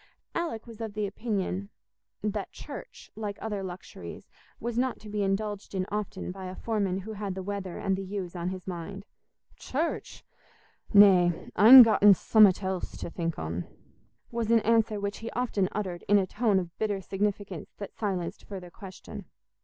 Alick was of opinion that church, like other luxuries, was not to be indulged in often by a foreman who had the weather and the ewes on his mind. "Church! Nay—I'n gotten summat else to think on," was an answer which he often uttered in a tone of bitter significance that silenced further question.